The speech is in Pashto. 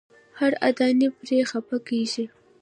هر اردني پرې خپه کېږي.